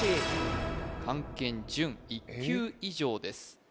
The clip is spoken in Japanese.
漢検準１級以上です